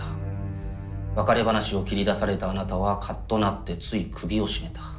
別れ話を切り出されたあなたはカッとなってつい首を絞めた。